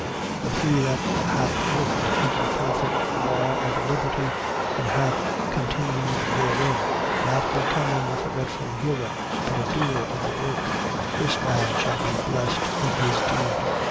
1:25. But he that hath looked into the perfect law of liberty and hath continued therein, not becoming a forgetful hearer but a doer of the work: this man shall be blessed in his deed.